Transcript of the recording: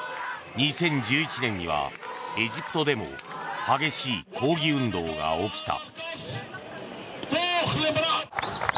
２０１１年にはエジプトでも激しい抗議運動が起きた。